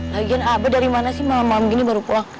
lagian abe dari mana sih malam malam gini baru pulang